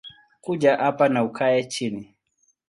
Kuja hapa na ukae chini